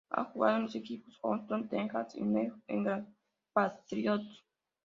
Ha jugado en los equipos Houston Texans y New England Patriots.